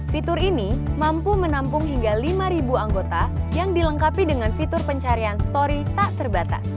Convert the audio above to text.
fitur ini mampu menampung hingga lima anggota yang dilengkapi dengan fitur pencarian story tak terbatas